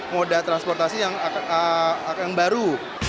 moda transportasi yang baru